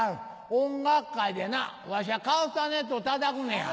音楽会でなわしゃカスタネットをたたくねや」。